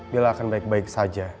bila akan baik baik saja